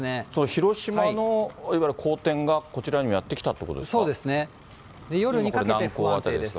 広島のいわゆる荒天がこちらにもやって来たということですか夜にかけて不安定です。